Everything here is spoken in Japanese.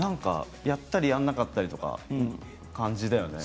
やったりやらなかったりという感じだよね。